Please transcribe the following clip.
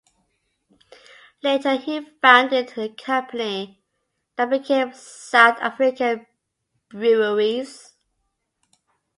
Later he founded the company that became South African Breweries.